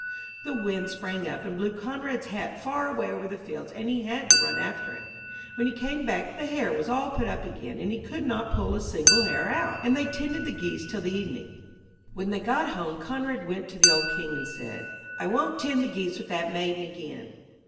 The wind sprang up and blew Conrad's hat far away over the fields, and he had to run after it. When he came back the hair was all put up again, and he could not pull a single hair out. And they tended the geese till the evening. When they got home Conrad went to the old King, and said, 'I won't tend the geese with that maiden again.'